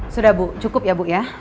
sudah bu cukup ya bu ya